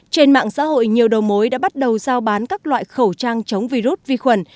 trên mạng xã hội nhiều đầu mối đã bắt đầu giao bán các loại khẩu trang chống virus vi khuẩn